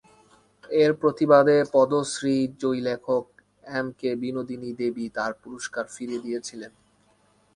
এর প্রতিবাদে পদ্মশ্রী জয়ী লেখক এম কে বিনোদিনী দেবী তাঁর পুরস্কার ফিরিয়ে দিয়েছিলেন।